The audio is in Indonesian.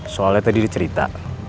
soalnya tadi dia cerita